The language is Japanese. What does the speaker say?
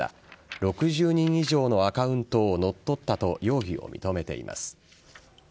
６０人以上のアカウントを乗っ取ったと容疑を認めています。